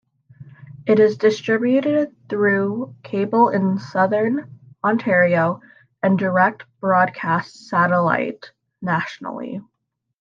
It is distributed through cable in Southern Ontario and direct broadcast satellite nationally.